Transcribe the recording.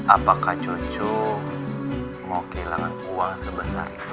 apakah cucu mau kehilangan uang sebesar itu